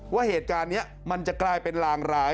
ว่าเหตุการณ์นี้มันจะกลายเป็นลางร้าย